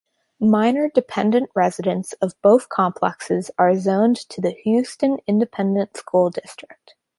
Minor dependent residents of both complexes are zoned to the Houston Independent School District.